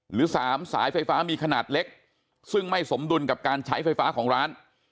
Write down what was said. หรือ๓สายไฟฟ้ามีขนาดเล็กซึ่งไม่สมดุลกับการใช้ไฟฟ้าของร้าน